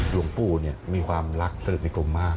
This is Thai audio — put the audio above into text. หลวงปู่มีความรักเสริฐในกลุ่มมาก